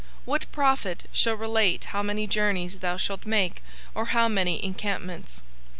What prophet shall relate how many journeys thou shalt make or how many encampments?